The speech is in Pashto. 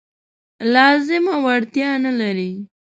لازمه وړتیا نه لري.